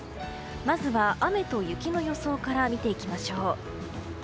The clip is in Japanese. まずは雨と雪の予想から見ていきましょう。